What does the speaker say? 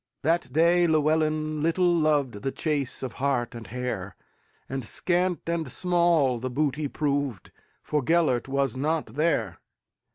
That day Llewelyn little lovedThe chase of hart and hare; And scant and small the booty proved, For Gêlert was not there.